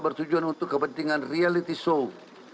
bertujuan untuk kepentingan reality show